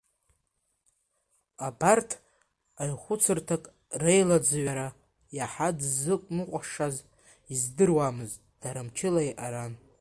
Абарҭ аҩ-хәыцырҭак реилаӡҩара иаҳа дзықәныҟәашаз издыруамызт, дара мчыла еиҟаран.